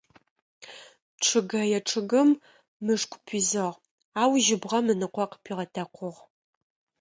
Чъыгэе чъыгым мышкӏу пизыгъ, ау жьыбгъэм ыныкъо къыпигъэтэкъугъ.